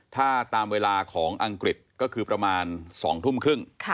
ถ้าตามเวลาของอังกฤษก็คือประมาณ๒ทุ่มครึ่ง